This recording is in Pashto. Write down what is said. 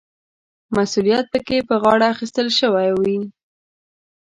مسوولیت پکې په غاړه اخیستل شوی وي.